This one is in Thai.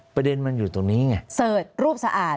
ประเด็นมันอยู่ตรงนี้ไงเสิร์ชรูปสะอาด